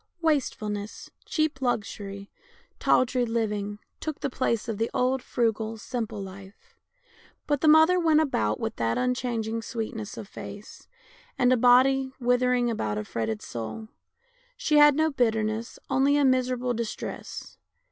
Wastefulness, cheap luxury , tawdry living, took the place of the old, frugal, simple life. But the mother went about with that unchanging sweetness of face, and a body withering about a fretted soul. She had no bitterness, only a miserable distress.